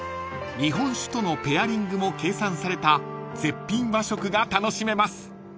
［日本酒とのペアリングも計算された絶品和食が楽しめます］